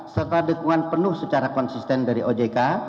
serta dukungan penuh secara konsisten dari ojk